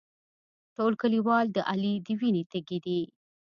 ټول کلیوال د علي د وینې تږي دي.